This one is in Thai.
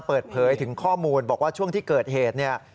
เปิดเผยถึงข้อมูลบอกว่าช่วงที่เกิดเหตุเนี่ย